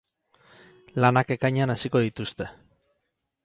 Lanak ekainean hasiko dituzte.